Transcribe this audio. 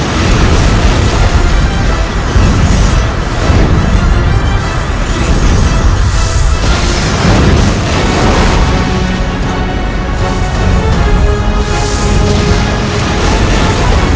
aku akan membunuh si lewani